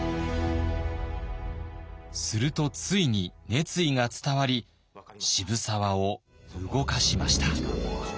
するとついに熱意が伝わり渋沢を動かしました。